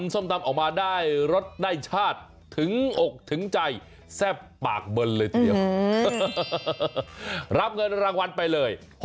ส้มตำมาได้รสไก่ชาติถึงออกถึงใจแซ่บปากเบิ่นเรื่องรองรางวัลไปเลย